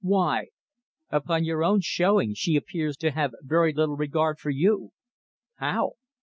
"Why?" "Upon your own showing she appears to have very little regard for you." "How?"